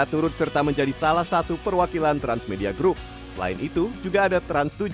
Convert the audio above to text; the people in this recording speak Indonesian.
turut serta menjadi salah satu perwakilan transmedia group selain itu juga ada trans tujuh